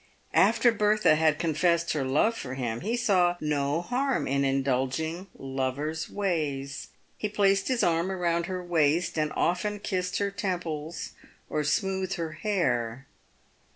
After Bertha had confessed her love for him, he saw no harm in indulging in lovers' ways. He placed his arm round her waist and often kissed her temples or smoothed her hair.